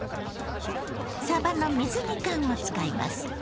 さばの水煮缶を使います。